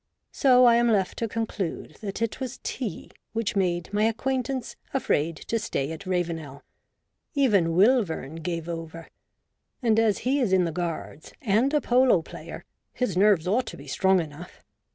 So I am left to conclude that it was tea which made my acquaintance afraid to stay at Ravenel. Even Wilvern gave over; and as he is in the Guards, and a polo player, his nerves ought to be strong enough.